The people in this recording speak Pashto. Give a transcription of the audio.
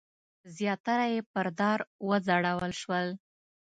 زیاتره یې پر دار وځړول شول.